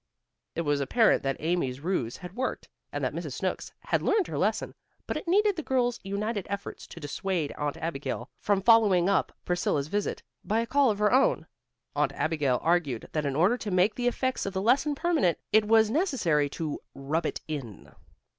It was apparent that Amy's ruse had worked, and that Mrs. Snooks had learned her lesson, but it needed the girls' united efforts to dissuade Aunt Abigail from following up Priscilla's visit, by a call of her own. Aunt Abigail argued that in order to make the effects of the lesson permanent, it was necessary to "rub it in."